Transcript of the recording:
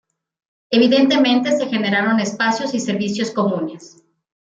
Evidentemente se generaron espacios y servicios comunes.